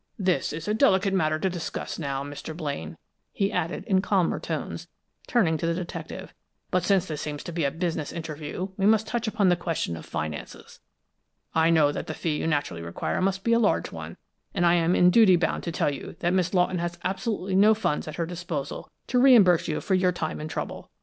This is a delicate matter to discuss now, Mr. Blaine," he added, in calmer tones, turning to the detective, "but since this seems to be a business interview, we must touch upon the question of finances. I know that the fee you naturally require must be a large one, and I am in duty bound to tell you that Miss Lawton has absolutely no funds at her disposal to reimburse you for your time and trouble.